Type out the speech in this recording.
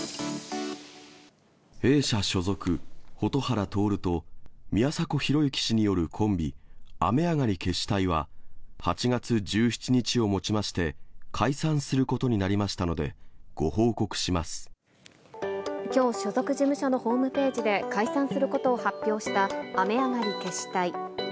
弊社所属、蛍原徹と宮迫博之氏によるコンビ、雨上がり決死隊は、８月１７日をもちまして、解散することになりきょう、所属事務所のホームページで解散することを発表した雨上がり決死隊。